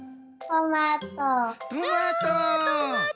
トマト！